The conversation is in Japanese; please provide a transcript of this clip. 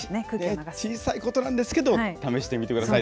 小さいことなんですけど、試してみてください。